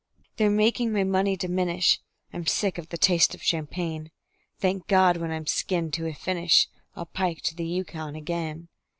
They're making my money diminish; I'm sick of the taste of champagne. Thank God! when I'm skinned to a finish I'll pike to the Yukon again.